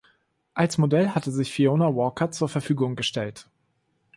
Als Model hatte sich Fiona Walker zur Verfügung gestellt.